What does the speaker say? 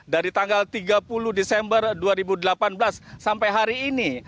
dari tanggal tiga puluh desember dua ribu delapan belas sampai hari ini